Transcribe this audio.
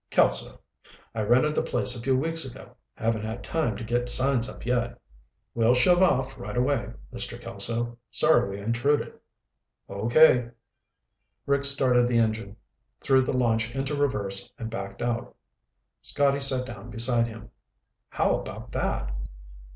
"Kelso. I rented the place a few weeks ago. Haven't had time to get signs up yet." "We'll shove off right away, Mr. Kelso. Sorry we intruded." "Okay." Rick started the engine, threw the launch into reverse, and backed out. Scotty sat down beside him. "How about that?"